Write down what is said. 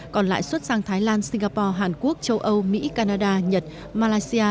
còn lại xuất sang thái lan singapore hàn quốc châu âu mỹ canada nhật malaysia